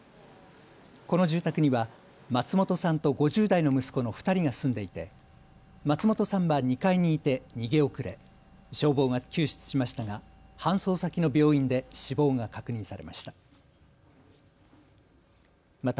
この住宅には松本さんと５０代の息子の２人が住んでいて松本さんは２階にいて逃げ遅れ、消防が救出しましたが搬送先の病院で死亡が確認されました。